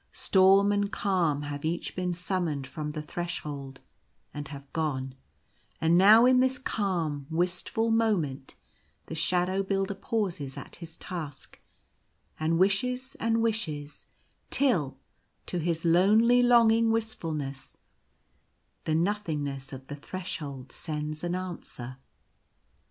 Storm and calm have each been summoned from the Threshold, and have gone ; and now in this calm, wistful moment the Shadow Builder pauses at his task, and wishes and wishes till, to his lonely longing wistfulness, the nothingness of The Threshold sends an answer.